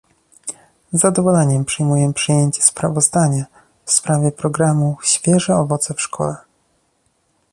Z zadowoleniem przyjmuję przyjęcie sprawozdania w sprawie programu "świeże owoce w szkole"